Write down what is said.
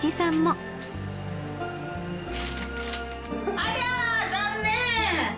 ありゃあ残念！